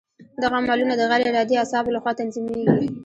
دغه عملونه د غیر ارادي اعصابو له خوا تنظیمېږي.